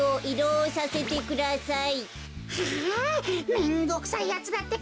めんどくさいやつだってか。